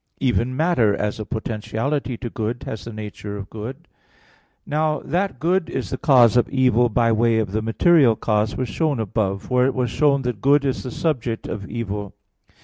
Even matter, as a potentiality to good, has the nature of good. Now that good is the cause of evil by way of the material cause was shown above (Q. 48, A. 3). For it was shown that good is the subject of evil.